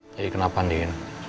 jadi kenapa nih